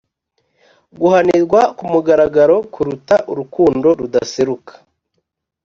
guhanirwa ku mugaragaro kuruta urukundo rudaseruka